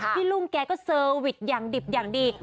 ที่รุ่งแกก็เซอร์วิทย์อย่างดิบอย่างดี